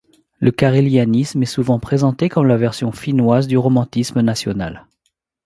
Le carélianisme est souvent présenté comme la version finnoise du Romantisme national.